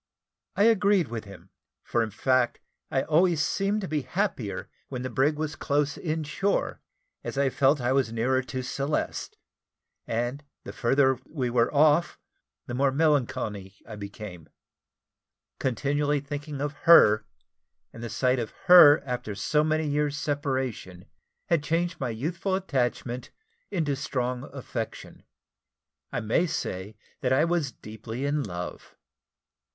I agreed with him, for in fact I always seemed to be happier when the brig was close in shore, as I felt as if I was nearer to Celeste; and the further we were off, the more melancholy I became. Continually thinking of her, and the sight of her after so many years' separation, had changed my youthful attachment into strong affection. I may say that I was deeply in love.